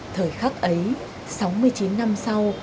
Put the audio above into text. thời khắc ấy sáu mươi chín năm sau